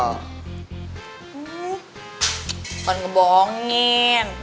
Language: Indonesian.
ini kamu tuh karena banyak bohongnya sih sama orang tua